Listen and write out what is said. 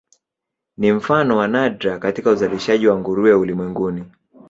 Ni mfano wa nadra katika uzalishaji wa nguruwe ulimwenguni.